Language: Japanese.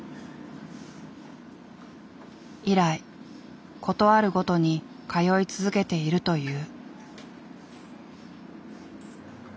以来ことあるごとに通い続けているという。